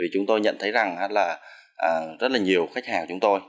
chúng tôi nhận thấy rằng rất nhiều khách hàng của chúng tôi